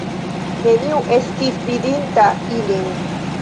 Neniu estis vidinta ilin.